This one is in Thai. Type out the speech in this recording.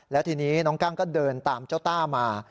แล้วทีนี้น้องกั้งก็เดินตามเจ้าต้ามา